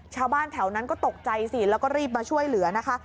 ชาวบ้านแถวนั้นก็ตกใจสิแล้วก็รีบมาช่วยเหลือนะคะ